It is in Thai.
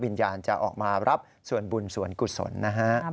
วิญญาณจะออกมารับส่วนบุญส่วนกุศลนะฮะ